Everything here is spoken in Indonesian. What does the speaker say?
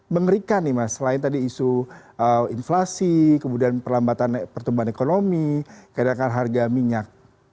dekatikan nih mas selain tadi isu inflasi kemudian perlambatan pertumbuhan ekonomi keadaan harga minyak